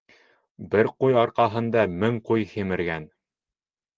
Бер ҡуй арҡаһында мең ҡуй һимергән.